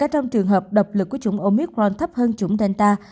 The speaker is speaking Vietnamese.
kể cả trong trường hợp độc lực của chủng omicron thấp hơn chủng delta